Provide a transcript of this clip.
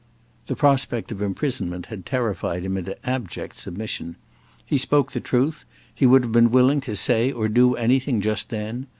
The prospect of imprisonment had terrified him into abject submission. He spoke the truth; he would have been willing to say or do anything just then.